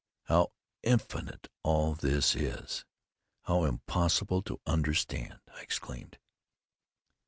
"How infinite all this is! How impossible to understand!" I exclaimed.